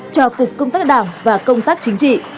cho cục công tác đảng và công tác chính trị